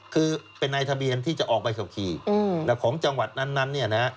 คือเป็นนายทะเบียนที่จะออกใบขับขี่ของจังหวัดนั้นเนี่ยนะ